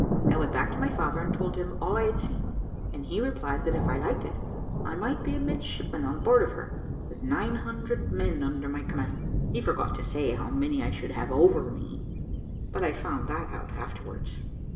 I went back to my father, and told him all I had seen, and he replied, that if I liked it, I might be a midshipman on board of her, with nine hundred men under my command. He forgot to say how many I should have over me, but I found that out afterwards.